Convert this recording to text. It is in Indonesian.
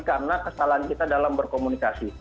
karena kesalahan kita dalam berkomunikasi